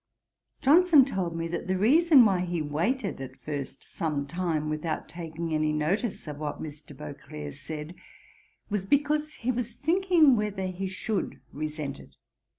Johnson told me, that the reason why he waited at first some time without taking any notice of what Mr. Beauclerk said, was because he was thinking whether he should resent it.